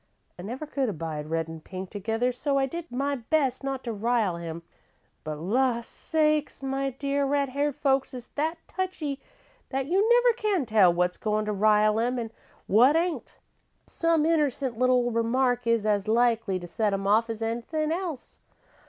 I never could abide red an' pink together, so I did my best not to rile him; but la sakes, my dear, red haired folks is that touchy that you never can tell what's goin' to rile 'em an' what ain't. Some innercent little remark is as likely to set 'em off as anythin' else.